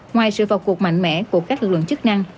ngoài sự vào cuộc mạnh mẽ của các lực lượng chức năng